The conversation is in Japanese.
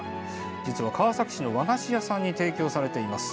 実は、川崎市の和菓子屋さんに提供されています。